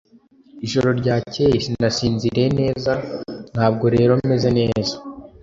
Ijoro ryakeye sinasinziriye neza ntabwo rero meze neza